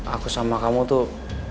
aku sama kamu tuh